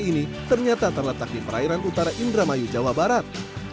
ketika di pulau gosong ini ternyata terletak di perairan utara indramayu jawa barat